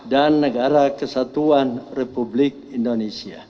dan negara kesatuan republik indonesia